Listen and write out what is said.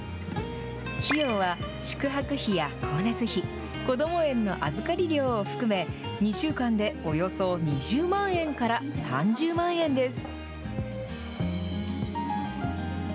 費用は、宿泊費や光熱費、こども園の預かり料を含め、２週間でおよそ２０万円から３０万円です。